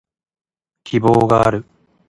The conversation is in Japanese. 希望がある